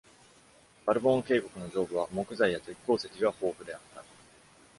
バルボーン渓谷の上部は木材や鉄鉱石が豊富であった。